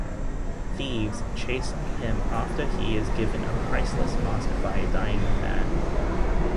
Thieves chase him after he is given a priceless mask by a dying man.